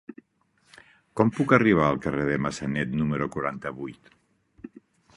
Com puc arribar al carrer de Massanet número quaranta-vuit?